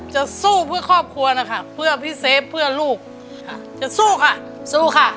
จะสู้เพื่อครอบครัวนะคะเพื่อพี่เซฟเพื่อลูกจะสู้ค่ะสู้ค่ะ